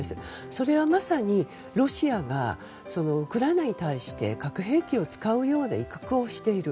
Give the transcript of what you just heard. それはまさにロシアがウクライナに対して核兵器を使うようで威嚇をしている。